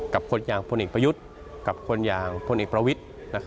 กับคนอย่างพนิกประยุทธกับคนอย่างพนิกประวิทธ